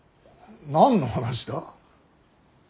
何の話だ。